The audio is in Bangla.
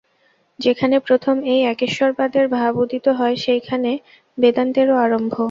যেখানে প্রথম এই একেশ্বরবাদের ভাব উদিত হয়, সেইখানে বেদান্তেরও আরম্ভ।